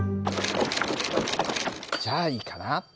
じゃあいいかな。